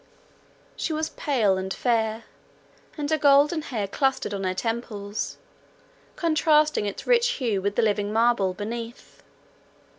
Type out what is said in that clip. She was pale and fair, and her golden hair clustered on her temples, contrasting its rich hue with the living marble beneath.